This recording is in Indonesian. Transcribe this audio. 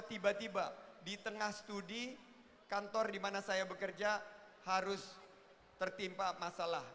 tiba tiba di tengah studi kantor di mana saya bekerja harus tertimpa masalah